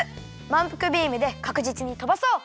まんぷくビームでかくじつにとばそう。